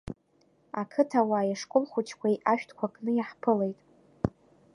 Ақыҭауааи ашколхәыҷқәеи ашәҭқәа кны иаҳԥылеит.